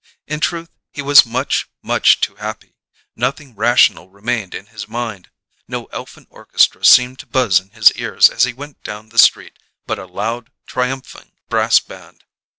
In truth, he was much, much too happy; nothing rational remained in his mind. No elfin orchestra seemed to buzz in his ears as he went down the street, but a loud, triumphing brass band.